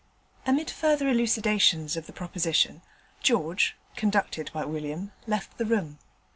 Amid further elucidations of the proposition, George, conducted by William, left the room.